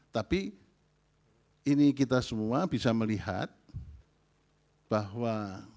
tapi ini kita semua bisa melihat bahwa